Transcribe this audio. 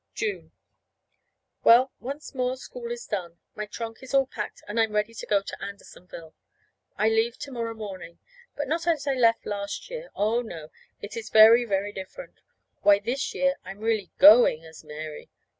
June. Well, once more school is done, my trunk is all packed, and I'm ready to go to Andersonville. I leave to morrow morning. But not as I left last year. Oh, no. It is very, very different. Why, this year I'm really going as Mary.